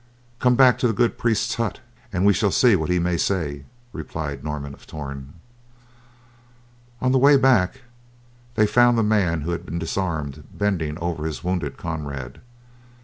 "Come back to the good priest's hut, and we shall see what he may say," replied Norman of Torn. On the way back, they found the man who had been disarmed bending over his wounded comrade.